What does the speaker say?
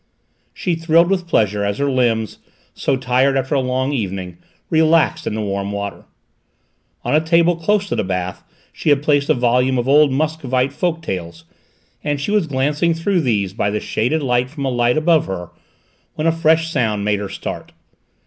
She thrilled with pleasure as her limbs, so tired after a long evening, relaxed in the warm water. On a table close to the bath she had placed a volume of old Muscovite folk tales, and she was glancing through these by the shaded light from a lamp above her, when a fresh sound made her start.